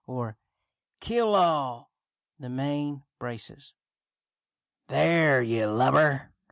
or "Keel haul the main braces, there, you lubber!"